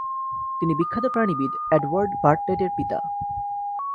তিনি প্রখ্যাত প্রাণীবিদ অ্যাডওয়ার্ড বার্টলেটের পিতা।